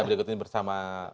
berikut ini bersama